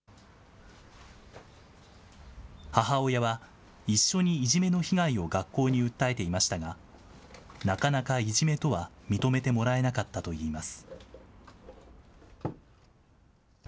母親は一緒にいじめの被害を学校に訴えていましたが、なかなかいじめとは認めてもらえなかったといいます。